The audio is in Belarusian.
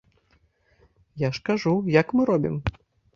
Я ж кажу, як мы робім?